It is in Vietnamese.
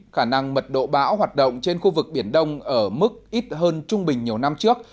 khả năng mật độ bão hoạt động trên khu vực biển đông ở mức ít hơn trung bình nhiều năm trước